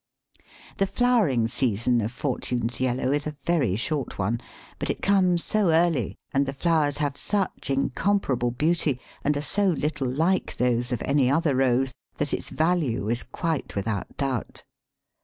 The flowering season of Fortune's Yellow is a very short one, but it comes so early, and the flowers have such incomparable beauty, and are so little like those of any other Rose, that its value is quite without doubt.